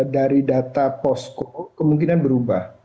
dari data posko kemungkinan berubah